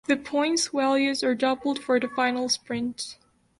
The points values are doubled for the final sprint.